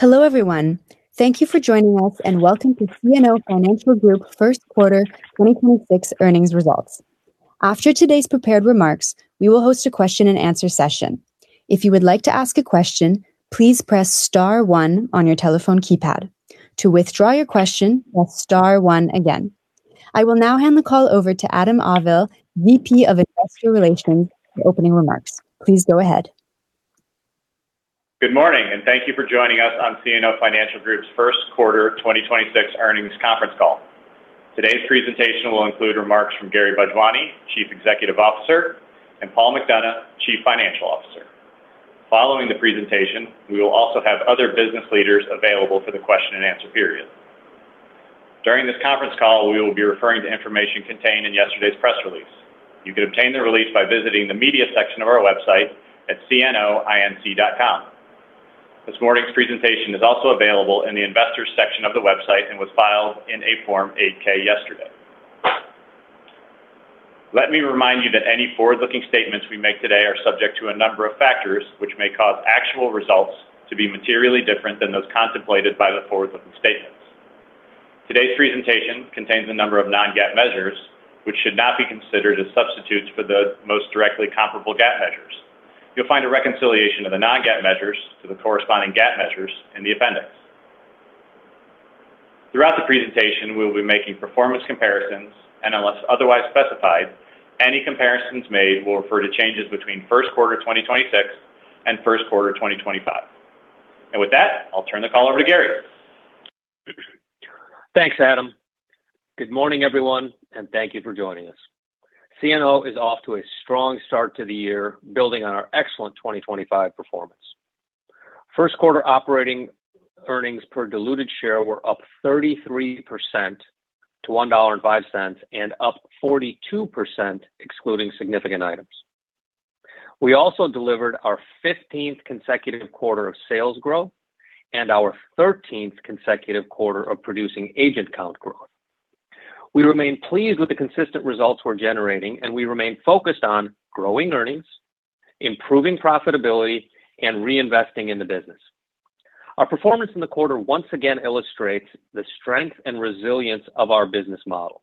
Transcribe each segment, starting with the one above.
Hello, everyone. Thank you for joining us, and welcome to CNO Financial Group First Quarter 2026 earnings results. After today's prepared remarks, we will host a question and answer session. If you would like to ask a question, please press star one on your telephone keypad. To withdraw your question, press star one again. I will now hand the call over to Adam Auvil, VP of Investor Relations for opening remarks. Please go ahead. Good morning, and thank you for joining us on CNO Financial Group's 1st quarter 2026 earnings conference call. Today's presentation will include remarks from Gary Bhojwani, Chief Executive Officer, and Paul McDonough, Chief Financial Officer. Following the presentation, we will also have other business leaders available for the question and answer period. During this conference call, we will be referring to information contained in yesterday's press release. You can obtain the release by visiting the media section of our website at cnoinc.com. This morning's presentation is also available in the investors section of the website and was filed in a form 8-K yesterday. Let me remind you that any forward-looking statements we make today are subject to a number of factors which may cause actual results to be materially different than those contemplated by the forward-looking statements. Today's presentation contains a number of non-GAAP measures which should not be considered as substitutes for the most directly comparable GAAP measures. You'll find a reconciliation of the non-GAAP measures to the corresponding GAAP measures in the appendix. Throughout the presentation, we will be making performance comparisons, and unless otherwise specified, any comparisons made will refer to changes between first quarter 2026 and first quarter 2025. With that, I'll turn the call over to Gary. Thanks, Adam. Good morning, everyone, and thank you for joining us. CNO is off to a strong start to the year, building on our excellent 2025 performance. First quarter operating earnings per diluted share were up 33% to $1.05 and up 42% excluding significant items. We also delivered our 15th consecutive quarter of sales growth and our 13th consecutive quarter of producing agent count growth. We remain pleased with the consistent results we're generating, and we remain focused on growing earnings, improving profitability, and reinvesting in the business. Our performance in the quarter once again illustrates the strength and resilience of our business model.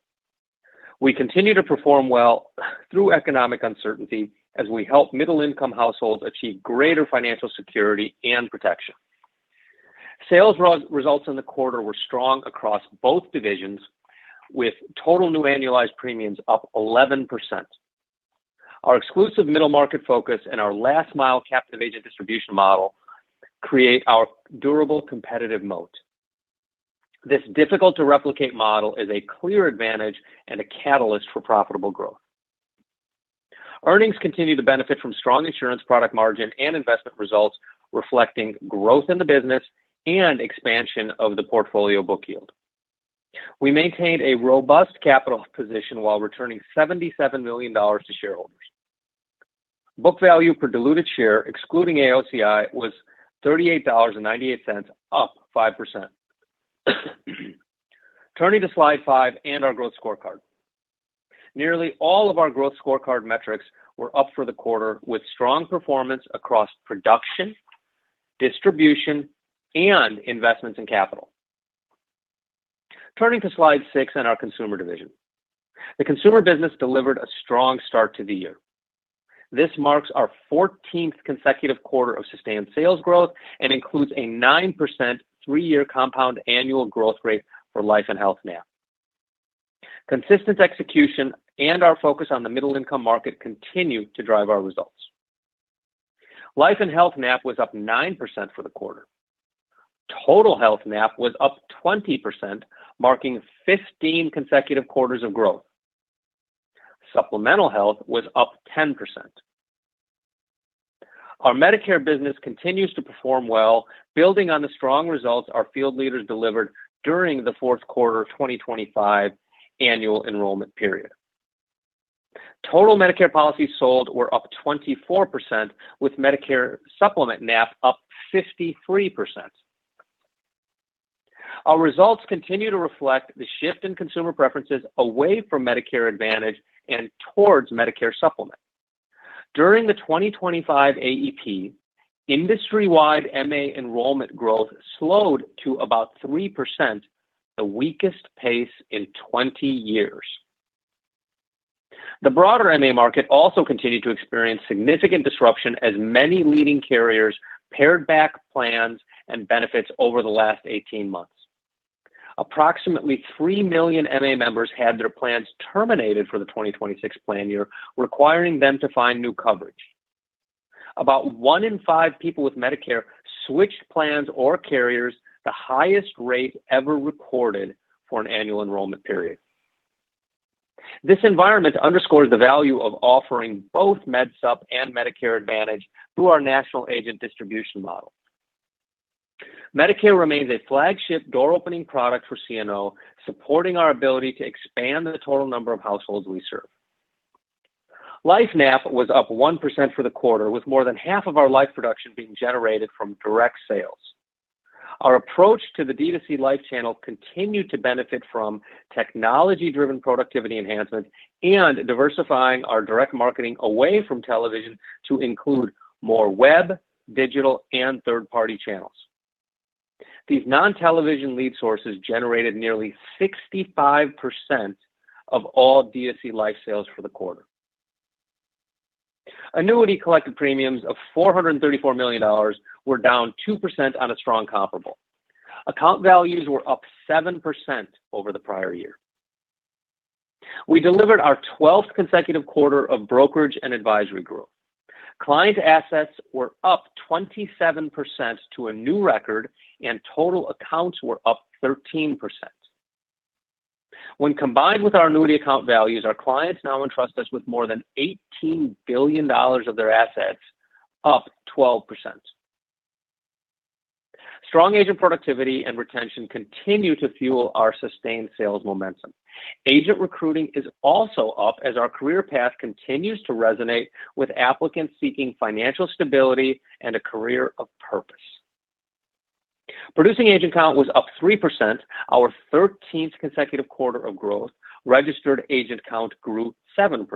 We continue to perform well through economic uncertainty as we help middle-income households achieve greater financial security and protection. Sales results in the quarter were strong across both divisions with total new annualized premiums up 11%. Our exclusive middle-market focus and our last-mile captive agent distribution model create our durable competitive moat. This difficult-to-replicate model is a clear advantage and a catalyst for profitable growth. Earnings continue to benefit from strong insurance product margin and investment results reflecting growth in the business and expansion of the portfolio book yield. We maintained a robust capital position while returning $77 million to shareholders. Book value per diluted share, excluding AOCI, was $38.98, up 5%. Turning to slide five and our growth scorecard. Nearly all of our growth scorecard metrics were up for the quarter with strong performance across production, distribution, and investments in capital. Turning to slide 6 and our consumer division. The consumer business delivered a strong start to the year. This marks our 14th consecutive quarter of sustained sales growth and includes a 9% three year compound annual growth rate for Life and Health NAP. Consistent execution and our focus on the middle-income market continue to drive our results. Life and Health NAP was up 9% for the quarter. Total Health NAP was up 20%, marking 15 consecutive quarters of growth. Supplemental health was up 10%. Our Medicare business continues to perform well, building on the strong results our field leaders delivered during the fourth quarter 2025 annual enrollment period. Total Medicare policies sold were up 24% with Medicare Supplement NAP up 53%. Our results continue to reflect the shift in consumer preferences away from Medicare Advantage and towards Medicare Supplement. During the 2025 AEP, industry-wide MA enrollment growth slowed to about 3%, the weakest pace in 20 years. The broader MA market also continued to experience significant disruption as many leading carriers pared back plans and benefits over the last 18 months. Approximately three million MA members had their plans terminated for the 2026 plan year, requiring them to find new coverage. About one in five people with Medicare switched plans or carriers, the highest rate ever recorded for an annual enrollment period. This environment underscores the value of offering both Med Sup and Medicare Advantage through our national agent distribution model. Medicare remains a flagship door-opening product for CNO, supporting our ability to expand the total number of households we serve. Life NAP was up 1% for the quarter, with more than half of our life production being generated from direct sales. Our approach to the D2C Life channel continued to benefit from technology-driven productivity enhancement and diversifying our direct marketing away from television to include more web, digital, and third-party channels. These non-television lead sources generated nearly 65% of all DSE life sales for the quarter. Annuity collected premiums of $434 million were down 2% on a strong comparable. Account values were up 7% over the prior year. We delivered our twelfth consecutive quarter of brokerage and advisory growth. Client assets were up 27% to a new record, and total accounts were up 13%. When combined with our annuity account values, our clients now entrust us with more than $18 billion of their assets, up 12%. Strong agent productivity and retention continue to fuel our sustained sales momentum. Agent recruiting is also up as our career path continues to resonate with applicants seeking financial stability and a career of purpose. Producing agent count was up 3%, our 13th consecutive quarter of growth. Registered agent count grew 7%.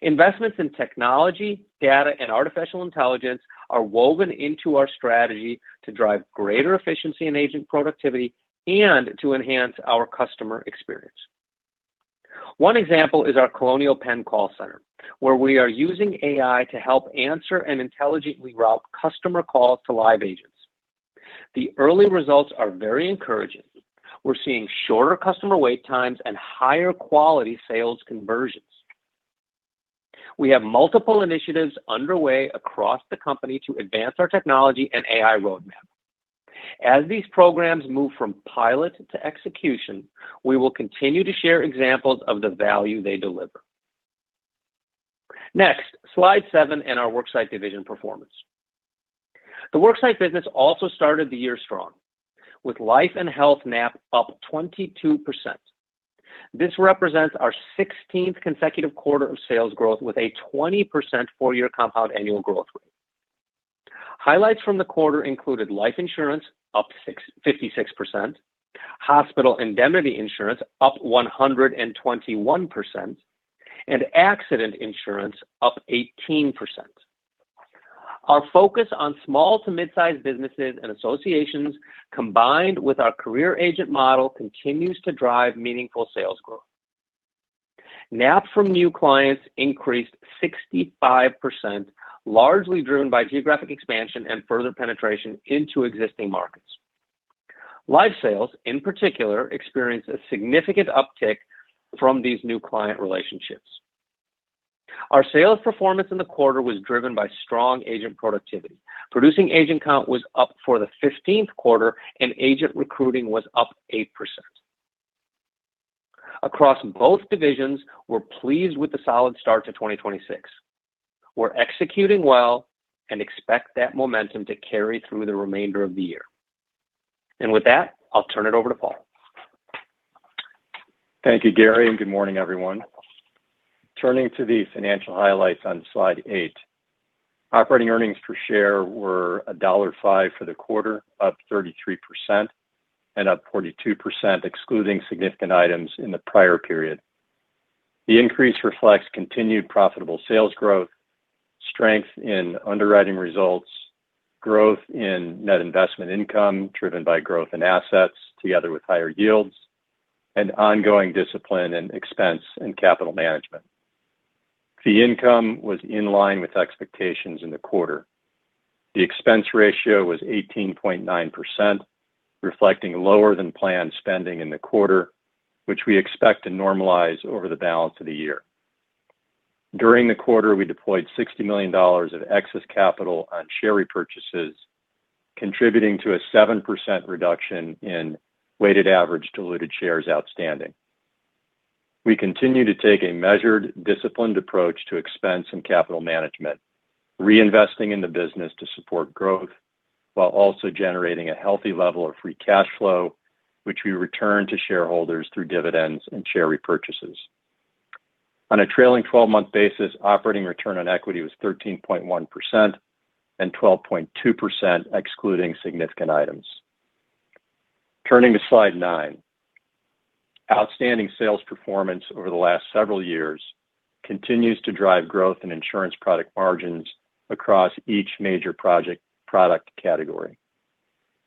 Investments in technology, data, and artificial intelligence are woven into our strategy to drive greater efficiency in agent productivity and to enhance our customer experience. One example is our Colonial Penn call center, where we are using AI to help answer and intelligently route customer calls to live agents. The early results are very encouraging. We're seeing shorter customer wait times and higher quality sales conversions. We have multiple initiatives underway across the company to advance our technology and AI roadmap. As these programs move from pilot to execution, we will continue to share examples of the value they deliver. Next, slide seven in our worksite division performance. The worksite business also started the year strong, with life and health NAP up 22%. This represents our 16th consecutive quarter of sales growth with a 20% four year compound annual growth rate. Highlights from the quarter included life insurance up 56%, hospital indemnity insurance up 121%, and accident insurance up 18%. Our focus on small to mid-sized businesses and associations, combined with our career agent model, continues to drive meaningful sales growth. NAP from new clients increased 65%, largely driven by geographic expansion and further penetration into existing markets. Life sales, in particular, experienced a significant uptick from these new client relationships. Our sales performance in the quarter was driven by strong agent productivity. Producing agent count was up for the 15th quarter, and agent recruiting was up 8%. Across both divisions, we're pleased with the solid start to 2026. We're executing well and expect that momentum to carry through the remainder of the year. With that, I'll turn it over to Paul. Thank you, Gary, and good morning, everyone. Turning to the financial highlights on slide 8, operating earnings per share were $1.05 for the quarter, up 33%, and up 42% excluding significant items in the prior period. The increase reflects continued profitable sales growth, strength in underwriting results, growth in net investment income driven by growth in assets together with higher yields, and ongoing discipline and expense in capital management. Fee income was in line with expectations in the quarter. The expense ratio was 18.9%, reflecting lower than planned spending in the quarter, which we expect to normalize over the balance of the year. During the quarter, we deployed $60 million of excess capital on share repurchases, contributing to a 7% reduction in weighted average diluted shares outstanding. We continue to take a measured, disciplined approach to expense and capital management, reinvesting in the business to support growth while also generating a healthy level of free cash flow, which we return to shareholders through dividends and share repurchases. On a trailing twelve-month basis, operating return on equity was 13.1% and 12.2% excluding significant items. Turning to slide nine, outstanding sales performance over the last several years continues to drive growth in insurance product margins across each major product category.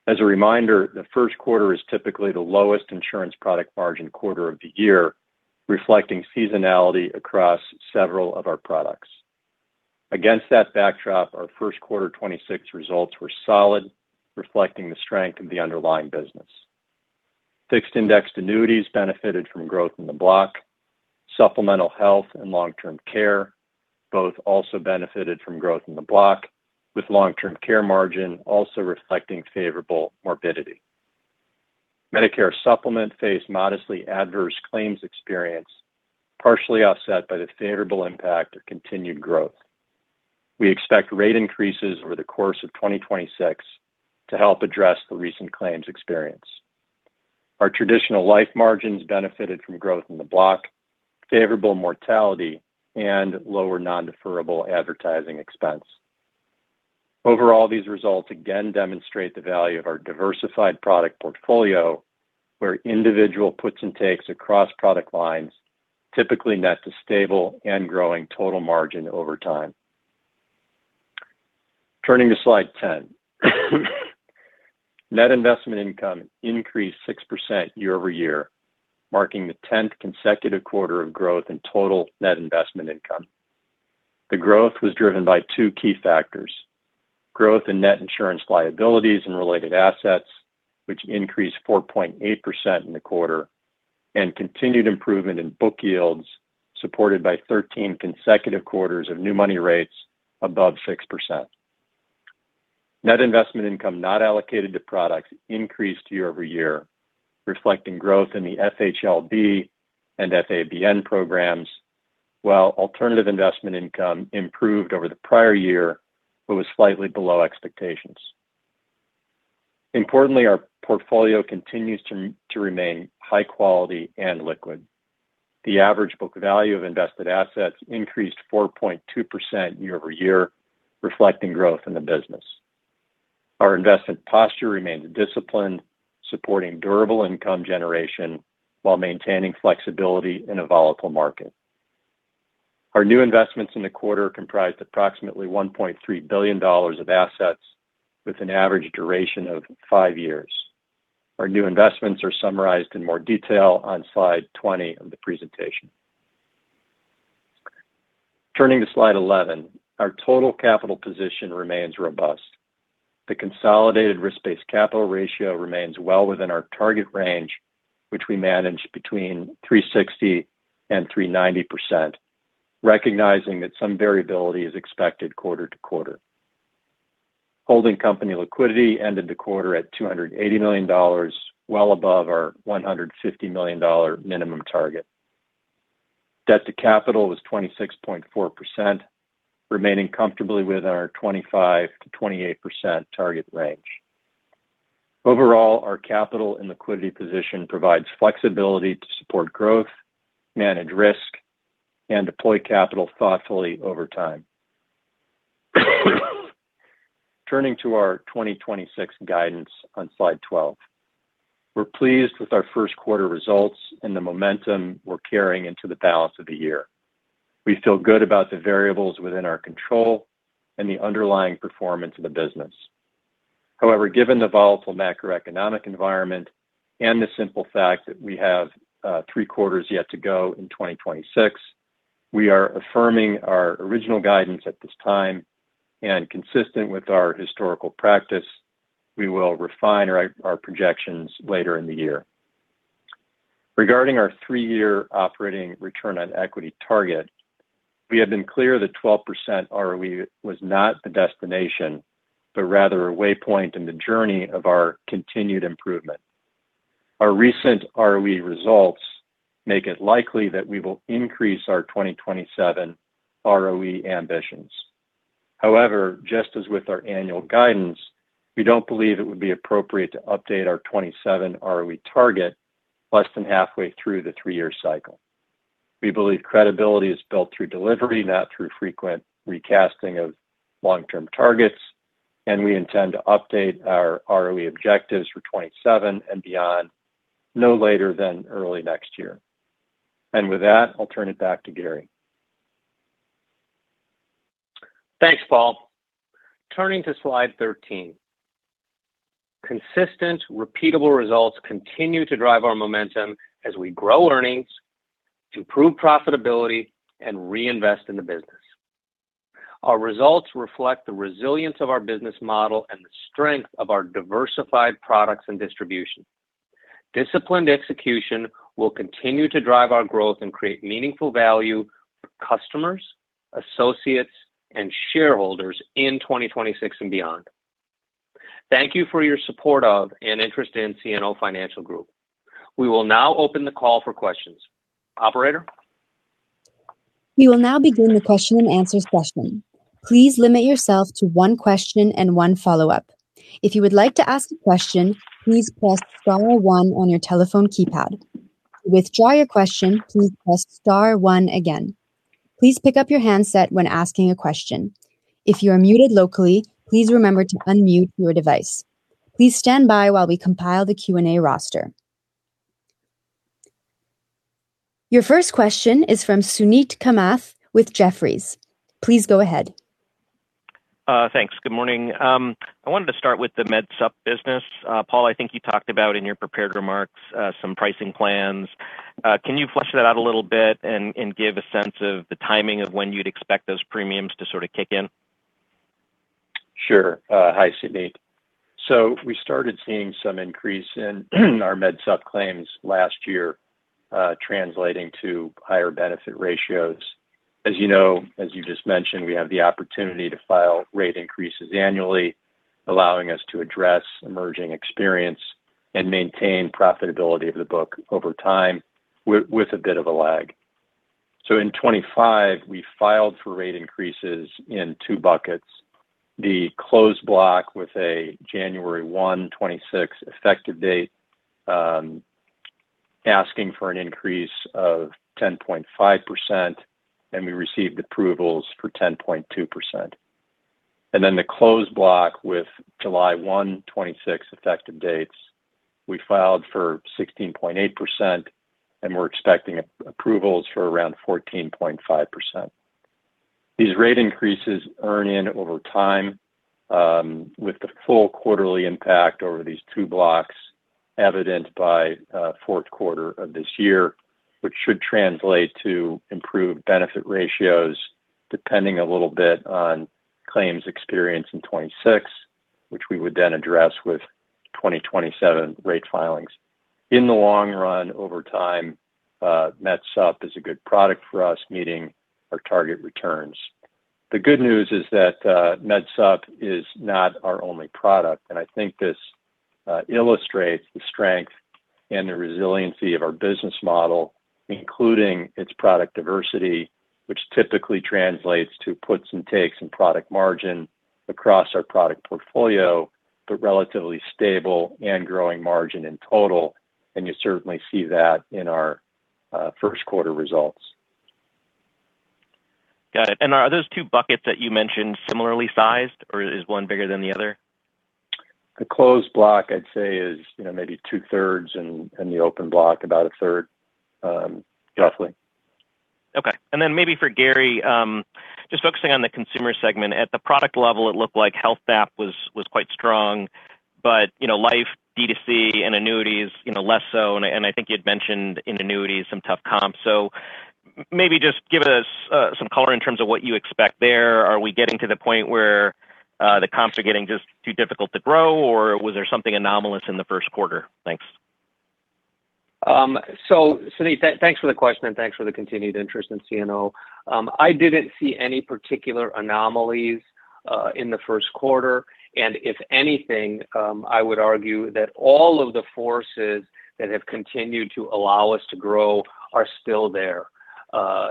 As a reminder, the first quarter is typically the lowest insurance product margin quarter of the year, reflecting seasonality across several of our products. Against that backdrop, our first quarter 2026 results were solid, reflecting the strength of the underlying business. Fixed Indexed Annuities benefited from growth in the block. Supplemental health and long-term care both also benefited from growth in the block, with long-term care margin also reflecting favorable morbidity. Medicare Supplement faced modestly adverse claims experience, partially offset by the favorable impact of continued growth. We expect rate increases over the course of 2026 to help address the recent claims experience. Our traditional life margins benefited from growth in the block, favorable mortality, and lower non-deferrable advertising expense. These results again demonstrate the value of our diversified product portfolio. Individual puts and takes across product lines typically net to stable and growing total margin over time. Turning to slide 10. Net investment income increased 6% year-over-year, marking the 10th consecutive quarter of growth in total net investment income. The growth was driven by two key factors: growth in net insurance liabilities and related assets, which increased 4.8% in the quarter, and continued improvement in book yields, supported by 13 consecutive quarters of new money rates above 6%. Net investment income not allocated to products increased year-over-year, reflecting growth in the FHLB and FABN programs, while alternative investment income improved over the prior year but was slightly below expectations. Importantly, our portfolio continues to remain high quality and liquid. The average book value of invested assets increased 4.2% year-over-year, reflecting growth in the business. Our investment posture remains disciplined, supporting durable income generation while maintaining flexibility in a volatile market. Our new investments in the quarter comprised approximately $1.3 billion of assets with an average duration of five years. Our new investments are summarized in more detail on slide 20 of the presentation. Turning to slide 11, our total capital position remains robust. The consolidated risk-based capital ratio remains well within our target range, which we manage between 360% and 390%, recognizing that some variability is expected quarter-to-quarter. Holding company liquidity ended the quarter at $280 million, well above our $150 million minimum target. Debt to capital was 26.4%, remaining comfortably within our 25%-28% target range. Overall, our capital and liquidity position provides flexibility to support growth, manage risk, and deploy capital thoughtfully over time. Turning to our 2026 guidance on slide 12. We're pleased with our first quarter results and the momentum we're carrying into the balance of the year. We feel good about the variables within our control and the underlying performance of the business. Given the volatile macroeconomic environment and the simple fact that we have 3 quarters yet to go in 2026, we are affirming our original guidance at this time. Consistent with our historical practice, we will refine our projections later in the year. Regarding our three-year operating return on equity target, we have been clear that 12% ROE was not the destination, but rather a way point in the journey of our continued improvement. Our recent ROE results make it likely that we will increase our 2027 ROE ambitions. Just as with our annual guidance, we don't believe it would be appropriate to update our 27 ROE target less than halfway through the three-year cycle. We believe credibility is built through delivery, not through frequent recasting of long-term targets, and we intend to update our ROE objectives for 2027 and beyond no later than early next year. With that, I'll turn it back to Gary. Thanks, Paul. Turning to slide 13. Consistent, repeatable results continue to drive our momentum as we grow earnings, improve profitability, and reinvest in the business. Our results reflect the resilience of our business model and the strength of our diversified products and distribution. Disciplined execution will continue to drive our growth and create meaningful value for customers, associates, and shareholders in 2026 and beyond. Thank you for your support of and interest in CNO Financial Group. We will now open the call for questions. Operator? We will now begin the question and answer section. Please limit yourself to one question and one follow-up, if you would like to ask a question, please press star one on your telephone keypad. To withdraw your question please press star one again, please pick up your handset when asking a question, if you are muted locally please remember to unmute your device. Please standby while we compile the Q&A roster. Your first question is from Suneet Kamath with Jefferies. Please go ahead. Thanks. Good morning. I wanted to start with the medsup business. Paul, I think you talked about in your prepared remarks, some pricing plans. Can you flesh that out a little bit and give a sense of the timing of when you'd expect those premiums to sort of kick in? Sure. Hi, Suneet. We started seeing some increase in our Medsup claims last year, translating to higher benefit ratios. As you know, as you just mentioned, we have the opportunity to file rate increases annually, allowing us to address emerging experience and maintain profitability of the book over time with a bit of a lag. In 25, we filed for rate increases in two buckets. The closed block with a January 1, 2026 effective date, asking for an increase of 10.5%, and we received approvals for 10.2%. The closed block with July 1, 2026 effective dates, we filed for 16.8% and we're expecting approvals for around 14.5%. These rate increases earn in over time, with the full quarterly impact over these two blocks evidenced by 4th quarter of this year, which should translate to improved benefit ratios depending a little bit on claims experience in 2026, which we would then address with 2027 rate filings. In the long run over time, MedSup is a good product for us meeting our target returns. The good news is that MedSup is not our only product. I think this illustrates the strength and the resiliency of our business model, including its product diversity, which typically translates to puts and takes in product margin across our product portfolio, but relatively stable and growing margin in total. You certainly see that in our 1st quarter results. Got it. Are those two buckets that you mentioned similarly sized or is one bigger than the other? The closed block I'd say is, you know, maybe two-thirds and the open block about a third, roughly. Okay. Maybe for Gary, just focusing on the consumer segment. At the product level it looked like health app was quite strong, you know, life D2C and annuities, you know, less so. I think you'd mentioned in annuities some tough comps. Maybe just give us some color in terms of what you expect there. Are we getting to the point where the comps are getting just too difficult to grow or was there something anomalous in the first quarter? Thanks. Suneet, thanks for the question, and thanks for the continued interest in CNO. I didn't see any particular anomalies in the first quarter. If anything, I would argue that all of the forces that have continued to allow us to grow are still there.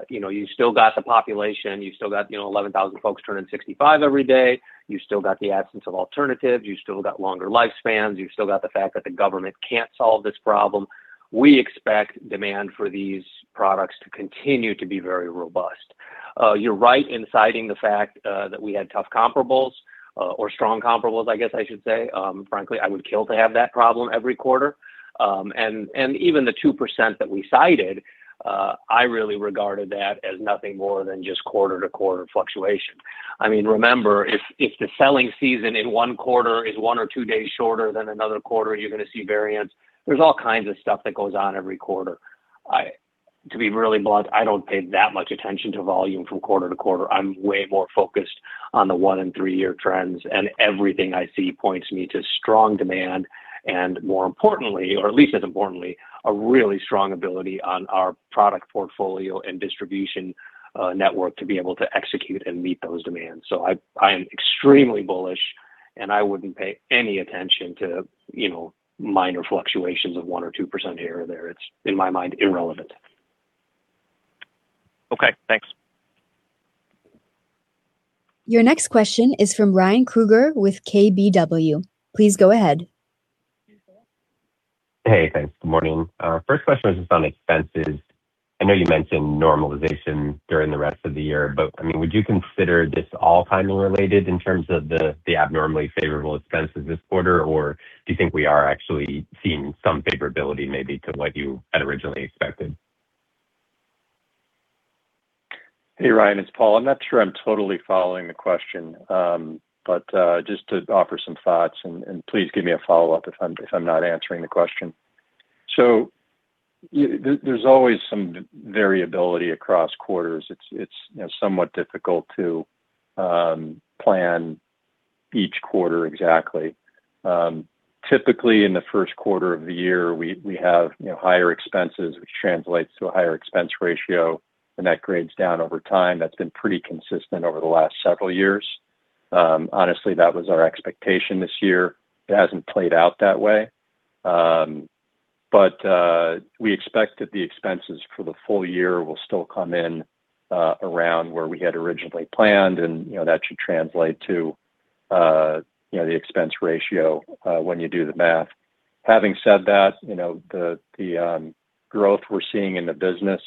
You know, you still got the population, you still got, you know, 11,000 folks turning 65 every day. You still got the absence of alternatives. You still got longer lifespans. You still got the fact that the government can't solve this problem. We expect demand for these products to continue to be very robust. You're right in citing the fact that we had tough comparables, or strong comparables I guess I should say. Frankly, I would kill to have that problem every quarter. Even the 2% that we cited, I really regarded that as nothing more than just quarter-to-quarter fluctuation. I mean, remember, if the selling season in one quarter is one or two days shorter than another quarter, you're gonna see variance. There's all kinds of stuff that goes on every quarter. To be really blunt, I don't pay that much attention to volume from quarter to quarter. I'm way more focused on the one in three year trends, and everything I see points me to strong demand, and more importantly or at least as importantly, a really strong ability on our product portfolio and distribution network to be able to execute and meet those demands. I am extremely bullish, and I wouldn't pay any attention to, you know, minor fluctuations of 1 or 2% here or there. It's, in my mind, irrelevant. Okay, thanks. Your next question is from Ryan Krueger with KBW. Please go ahead. Hey, thanks. Good morning. First question is just on expenses. I know you mentioned normalization during the rest of the year, but, I mean, would you consider this all timing related in terms of the abnormally favorable expenses this quarter, or do you think we are actually seeing some favorability maybe to what you had originally expected? Hey, Ryan, it's Paul. I'm not sure I'm totally following the question. Just to offer some thoughts, and please give me a follow-up if I'm not answering the question. There's always some variability across quarters. It's, you know, somewhat difficult to plan each quarter exactly. Typically in the first quarter of the year we have, you know, higher expenses, which translates to a higher expense ratio and that grades down over time. That's been pretty consistent over the last several years. Honestly, that was our expectation this year. It hasn't played out that way. We expect that the expenses for the full year will still come in around where we had originally planned and, you know, that should translate to, you know, the expense ratio when you do the math. Having said that, you know, the growth we're seeing in the business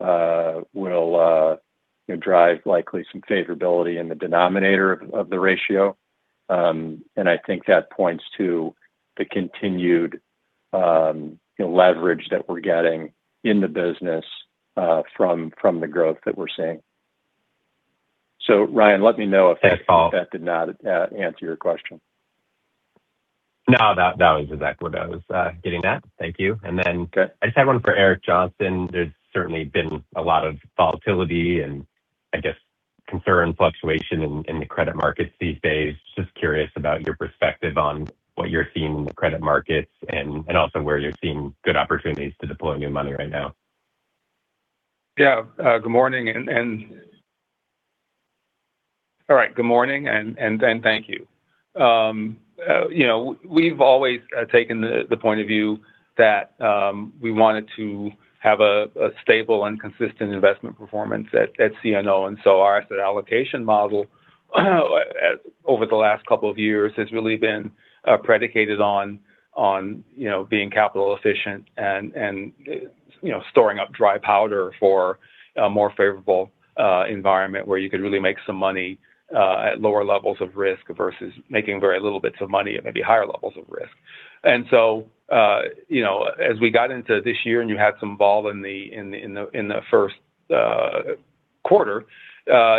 will, you know, drive likely some favorability in the denominator of the ratio. I think that points to the continued, you know, leverage that we're getting in the business from the growth that we're seeing. Ryan, let me know if that. Thanks, Paul. that did not answer your question. No, that was exactly what I was getting at. Thank you. Good I just had one for Eric Johnson. There's certainly been a lot of volatility and I guess concern fluctuation in the credit markets these days. Just curious about your perspective on what you're seeing in the credit markets and also where you're seeing good opportunities to deploy new money right now? Yeah. Good morning and thank you. You know, we've always taken the point of view that we wanted to have a stable and consistent investment performance at CNO. Our asset allocation model over the last couple of years has really been predicated on. You know, being capital efficient and, you know, storing up dry powder for a more favorable environment where you could really make some money at lower levels of risk versus making very little bits of money at maybe higher levels of risk. You know, as we got into this year and you had some vol in the, in the, in the, in the 1st quarter,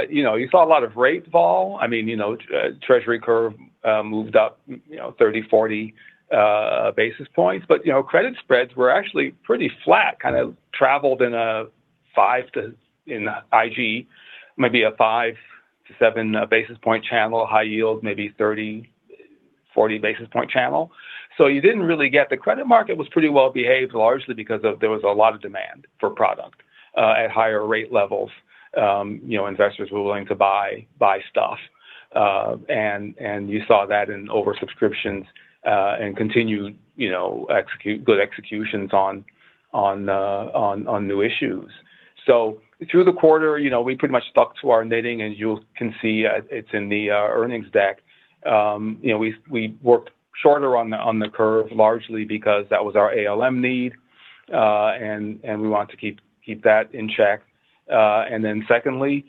you know, you saw a lot of rate vol. I mean, you know, Treasury curve moved up, you know, 30, 40 basis points. You know, credit spreads were actually pretty flat, kind of traveled in a 5 to 7 basis point channel, high yield, maybe 30, 40 basis point channel. You didn't really get. The credit market was pretty well-behaved, largely because of there was a lot of demand for product at higher rate levels. You know, investors were willing to buy stuff. You saw that in oversubscriptions and continued, you know, good executions on new issues. Through the quarter, you know, we pretty much stuck to our netting, as you can see, it's in the earnings deck. You know, we worked shorter on the curve, largely because that was our ALM need and we want to keep that in check. Secondly,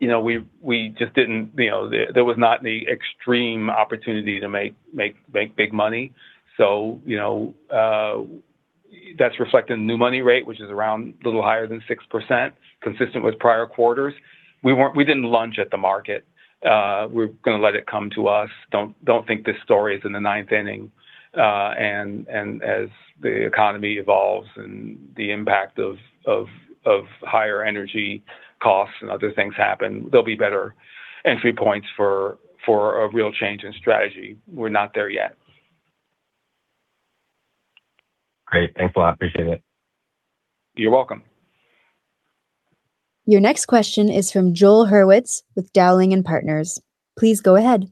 you know, we just didn't, you know, there was not any extreme opportunity to make big money. You know, that's reflected in new money rate, which is around a little higher than 6%, consistent with prior quarters. We didn't lunge at the market. We're gonna let it come to us. Don't think this story is in the ninth inning. As the economy evolves and the impact of higher energy costs and other things happen, there'll be better entry points for a real change in strategy. We're not there yet. Great. Thanks a lot. Appreciate it. You're welcome. Your next question is from Joel Hurwitz with Dowling & Partners. Please go ahead.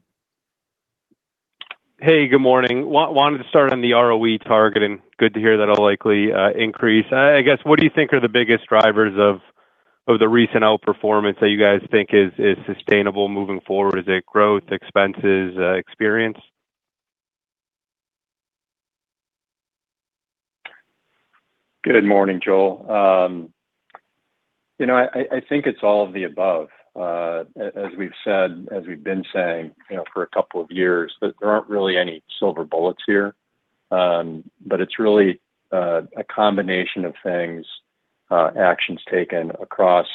Hey, good morning. Wanted to start on the ROE target, and good to hear that'll likely increase. I guess, what do you think are the biggest drivers of the recent outperformance that you guys think is sustainable moving forward? Is it growth, expenses, experience? Good morning, Joel. you know, I think it's all of the above. As we've said, as we've been saying, you know, for a couple of years, that there aren't really any silver bullets here. It's really a combination of things, actions taken across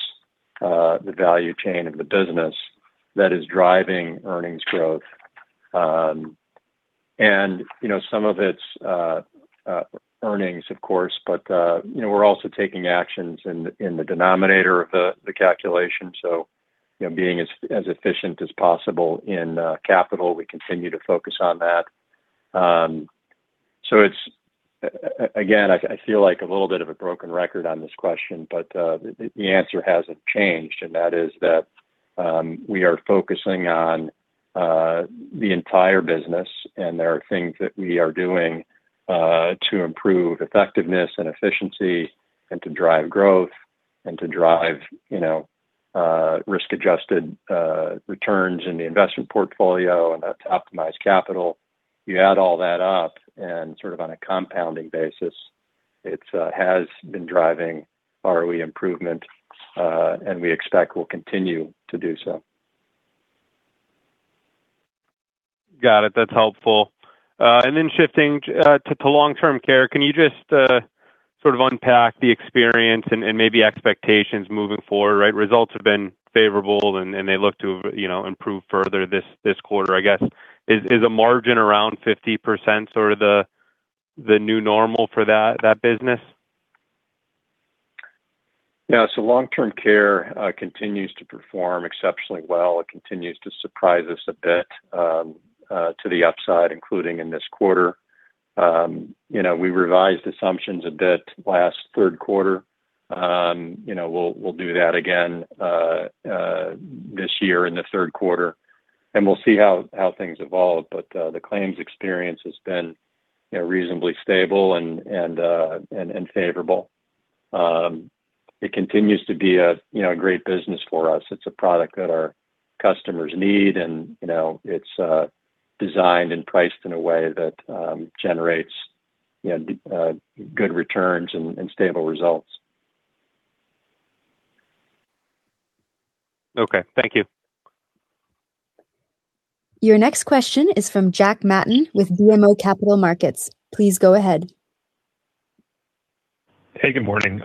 the value chain of the business that is driving earnings growth. you know, some of it's earnings, of course, but, you know, we're also taking actions in the denominator of the calculation. you know, being as efficient as possible in capital, we continue to focus on that. It's, again, I feel like a little bit of a broken record on this question, but the answer hasn't changed, and that is that we are focusing on the entire business, and there are things that we are doing to improve effectiveness and efficiency and to drive growth and to drive, you know, risk-adjusted returns in the investment portfolio and to optimize capital. You add all that up and sort of on a compounding basis, it has been driving ROE improvement, and we expect will continue to do so. Got it. That's helpful. Then shifting to long-term care, can you just sort of unpack the experience and maybe expectations moving forward, right? Results have been favorable and they look to, you know, improve further this quarter, I guess. Is a margin around 50% sort of the new normal for that business? Yeah. Long-term care continues to perform exceptionally well. It continues to surprise us a bit to the upside, including in this quarter. You know, we revised assumptions a bit last third quarter. You know, we'll do that again this year in the third quarter, and we'll see how things evolve. The claims experience has been, you know, reasonably stable and favorable. It continues to be a, you know, a great business for us. It's a product that our customers need and, you know, it's designed and priced in a way that generates, you know, good returns and stable results. Okay. Thank you. Your next question is from Jack Matten with BMO Capital Markets. Please go ahead. Hey, good morning.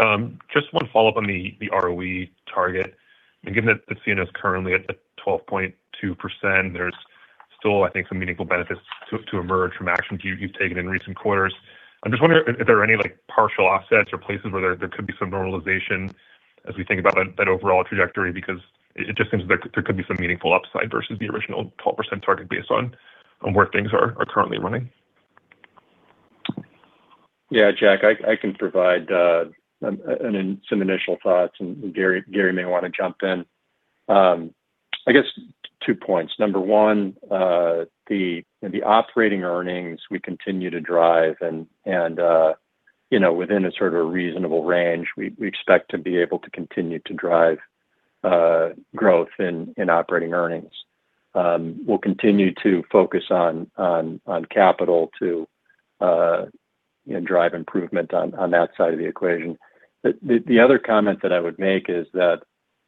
Just one follow-up on the ROE target. Given that the CNO is currently at 12.2%, there's still, I think, some meaningful benefits to emerge from actions you've taken in recent quarters. I'm just wondering if there are any, like, partial offsets or places where there could be some normalization as we think about that overall trajectory, because it just seems like there could be some meaningful upside versus the original 12% target based on where things are currently running. Yeah, Jack, I can provide some initial thoughts, and Gary may want to jump in. I guess two points. Number 1, the operating earnings we continue to drive and, you know, within a sort of reasonable range, we expect to be able to continue to drive growth in operating earnings. We'll continue to focus on capital to, you know, drive improvement on that side of the equation. The other comment that I would make is that,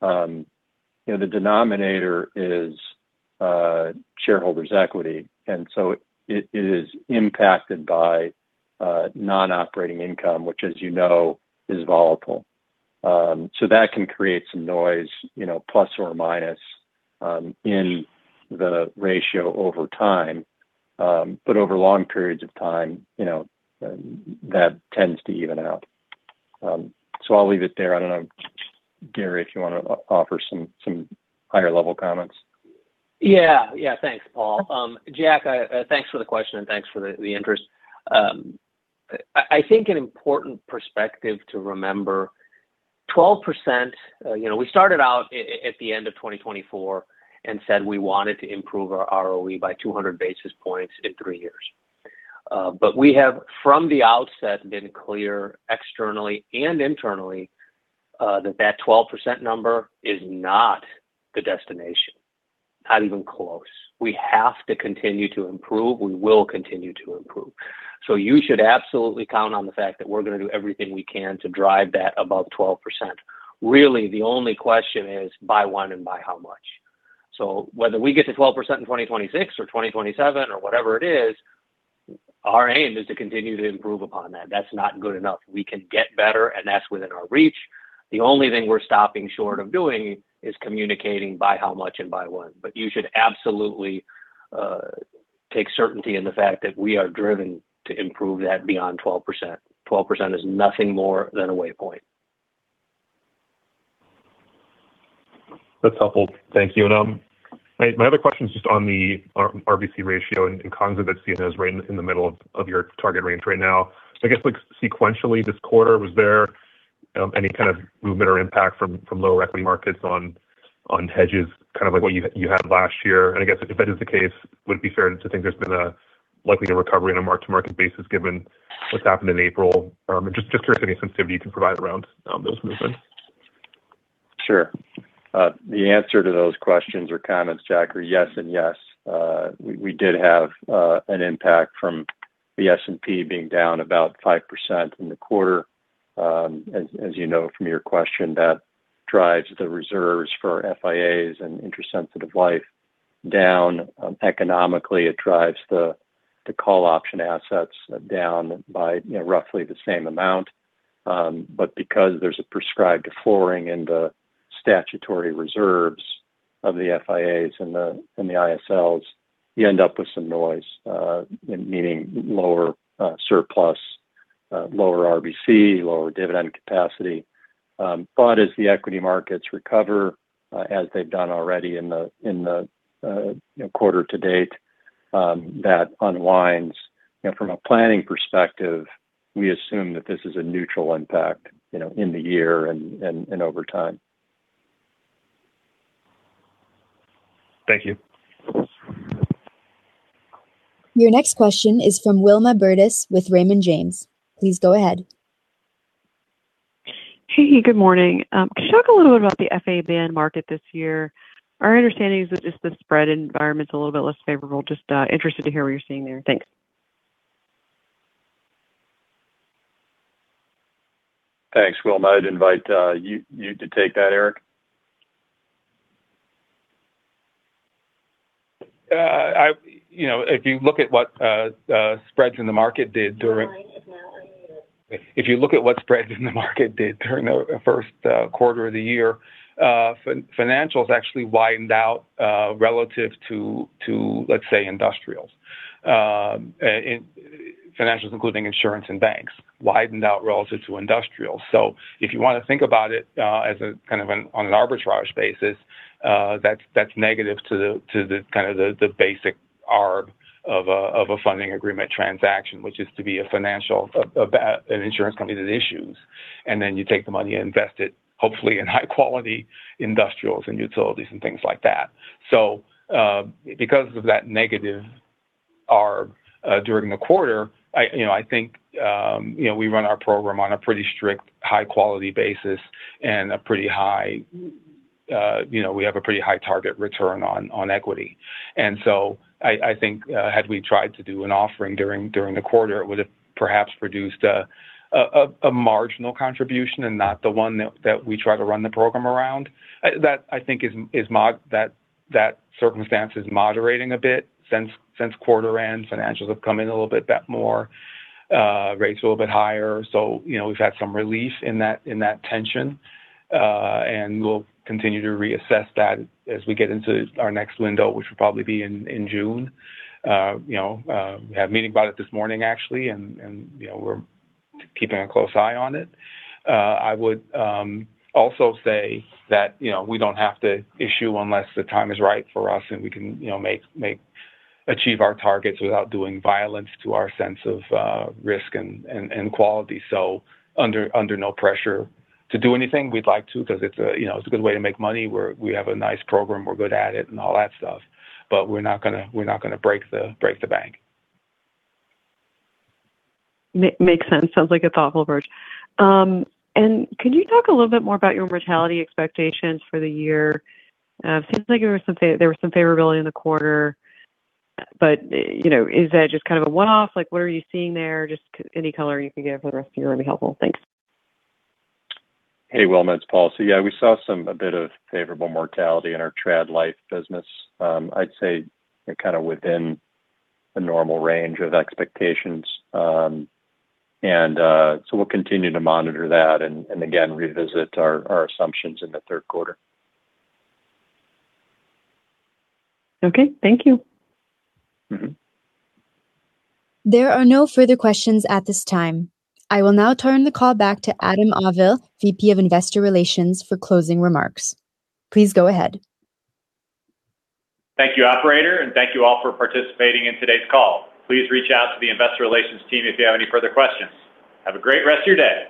you know, the denominator is shareholders' equity, it is impacted by non-operating income, which as you know, is volatile. That can create some noise, you know, plus or minus, in the ratio over time. Over long periods of time, you know, that tends to even out. I'll leave it there. I don't know, Gary, if you wanna offer some higher level comments. Yeah. Yeah. Thanks, Paul. Jack, thanks for the question, and thanks for the interest. I think an important perspective to remember, 12%, you know, we started out at the end of 2024 and said we wanted to improve our ROE by 200 basis points in three years. We have, from the outset, been clear externally and internally, that that 12% number is not the destination. Not even close. We have to continue to improve. We will continue to improve. You should absolutely count on the fact that we're gonna do everything we can to drive that above 12%. Really, the only question is by when and by how much. Whether we get to 12% in 2026 or 2027 or whatever it is, our aim is to continue to improve upon that. That's not good enough. We can get better, and that's within our reach. The only thing we're stopping short of doing is communicating by how much and by when. You should absolutely take certainty in the fact that we are driven to improve that beyond 12%. 12% is nothing more than a waypoint. That's helpful. Thank you. My other question is just on the RBC ratio and cons of that CNO is right in the middle of your target range right now. I guess, like, sequentially this quarter, was there any kind of movement or impact from lower equity markets on hedges, kind of like what you had last year? I guess if that is the case, would it be fair to think there's been a likely to recovery on a mark-to-market basis given what's happened in April? And just hear if any sensitivity you can provide around those movements. Sure. The answer to those questions or comments, Jack, are yes and yes. We did have an impact from the S&P being down about 5% in the quarter. As you know from your question, that drives the reserves for FIAs and interest-sensitive life down. Economically, it drives the call option assets down by, you know, roughly the same amount. Because there's a prescribed flooring in the statutory reserves of the FIAs and the ISLs, you end up with some noise, meaning lower surplus, lower RBC, lower dividend capacity. As the equity markets recover, as they've done already in the quarter to date, that unwinds. You know, from a planning perspective, we assume that this is a neutral impact, you know, in the year and over time. Thank you. Your next question is from Wilma Burdis with Raymond James. Please go ahead. Hey. Good morning. Could you talk a little bit about the FABN market this year? Our understanding is that just the spread environment's a little bit less favorable. Just interested to hear what you're seeing there. Thanks. Thanks, Wilma. I'd invite you to take that, Eric. I, you know, if you look at what, spreads in the market did during. If you look at what spreads in the market did during the first quarter of the year, financials actually widened out relative to, let's say, industrials. Financials, including insurance and banks, widened out relative to industrials. If you want to think about it as a kind of an on an arbitrage basis, that's negative to the kind of the basic arb of a funding agreement transaction, which is to be a financial that an insurance company that issues. You take the money and invest it, hopefully in high-quality industrials and utilities and things like that. Because of that negative arb during the quarter, I, you know, I think, you know, we run our program on a pretty strict high-quality basis and a pretty high, you know, we have a pretty high target return on equity. I think had we tried to do an offering during the quarter, it would have perhaps produced a marginal contribution and not the one that we try to run the program around. That I think is that circumstance is moderating a bit since quarter end, financials have come in a little bit more, rates a little bit higher. You know, we've had some relief in that tension. We'll continue to reassess that as we get into our next window, which will probably be in June. You know, we had a meeting about it this morning, actually, you know, we're keeping a close eye on it. I would also say that, you know, we don't have to issue unless the time is right for us and we can, you know, achieve our targets without doing violence to our sense of risk and quality. Under no pressure to do anything. We'd like to because it's a, you know, it's a good way to make money. We have a nice program. We're good at it and all that stuff. We're not gonna break the bank. Makes sense. Sounds like a thoughtful approach. Can you talk a little bit more about your mortality expectations for the year? Seems like there was some favorability in the quarter, you know, is that just kind of a one-off? Like, what are you seeing there? Just any color you can give for the rest of the year would be helpful. Thanks. Hey, Wilma, it's Paul. Yeah, we saw a bit of favorable mortality in our trad life business. I'd say kind of within the normal range of expectations. We'll continue to monitor that and again, revisit our assumptions in the third quarter. Okay. Thank you. Mm-hmm. There are no further questions at this time. I will now turn the call back to Adam Auvil, VP of Investor Relations, for closing remarks. Please go ahead. Thank you, operator, and thank you all for participating in today's call. Please reach out to the investor relations team if you have any further questions. Have a great rest of your day.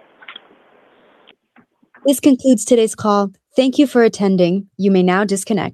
This concludes today's call. Thank you for attending. You may now disconnect.